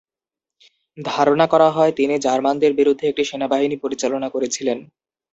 ধারণা করা হয় তিনি জার্মানদের বিরুদ্ধে একটি সেনাবাহিনী পরিচালনা করেছিলেন।